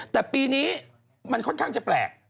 แต่ปีนี้มันค่อนข้างจะแปลก